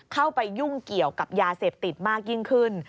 เข้าไปยุ่งเกี่ยวกับยาเสพติดมากยิ่งขึ้น